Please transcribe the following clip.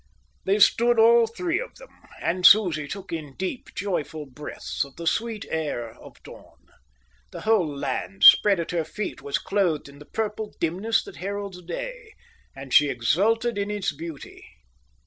They stood all three of them, and Susie took in deep, joyful breaths of the sweet air of dawn. The whole land, spread at her feet, was clothed in the purple dimness that heralds day, and she exulted in its beauty.